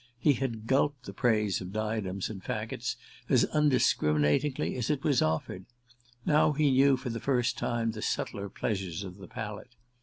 He had gulped the praise of "Diadems and Faggots" as undiscriminatingly as it was offered; now he knew for the first time the subtler pleasures of the palate.